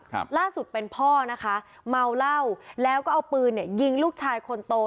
ครับล่าสุดเป็นพ่อนะคะเมาเหล้าแล้วก็เอาปืนเนี่ยยิงลูกชายคนโต